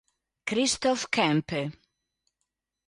Christophe Kempe